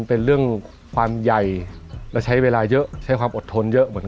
เป็นเรื่องความใหญ่และใช้เวลาเยอะใช้ความอดทนเยอะเหมือนกัน